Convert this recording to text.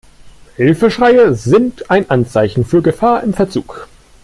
Hilfeschreie sind ein Anzeichen für Gefahr im Verzug.